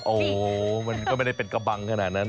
โอ้โหมันก็ไม่ได้เป็นกระบังขนาดนั้น